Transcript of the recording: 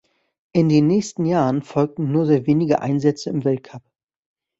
In den nächsten Jahren folgten nur sehr wenige Einsätze im Weltcup.